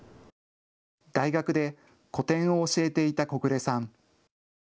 大学で古典を教えていた小暮さん。